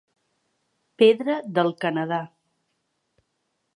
Pedra del Canadà.